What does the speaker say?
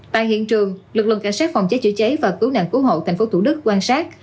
tại hiện trường lực lượng cảnh sát phòng cháy chữa cháy và cứu nạn cứu hộ tp thủ đức quan sát